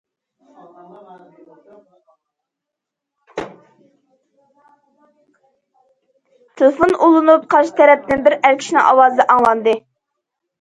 تېلېفون ئۇلىنىپ قارشى تەرەپتىن بىر ئەر كىشىنىڭ ئاۋازى ئاڭلاندى.